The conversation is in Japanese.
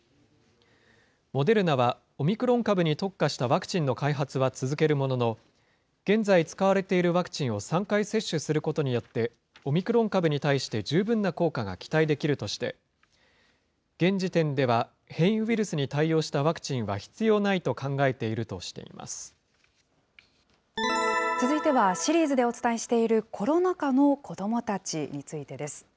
モデルナはオミクロン株に特化したワクチンの開発は続けるものの、現在使われているワクチンを３回接種することによって、オミクロン株に対して十分な効果が期待できるとして、現時点では変異ウイルスに対応したワクチンは必要な続いては、シリーズでお伝えしているコロナ禍の子どもたちについてです。